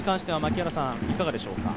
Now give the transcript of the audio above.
いかがでしょうか？